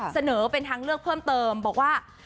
เสนอเป็นทางเลือกเพิ่มเติมบอกว่า